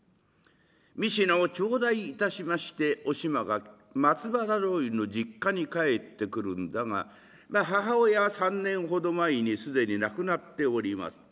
三品を頂戴いたしましておしまが松原通の実家に帰ってくるんだが母親は３年ほど前に既に亡くなっております。